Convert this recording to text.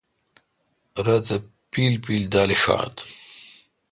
رت اے° پیل پیل دال۔ شات۔